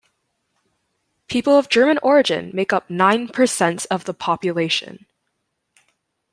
People of German origin make up nine per cent of the population.